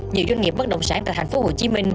nhiều doanh nghiệp bất động sản tại tp hcm